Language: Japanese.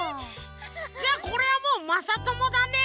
じゃあこれはもうまさともだね。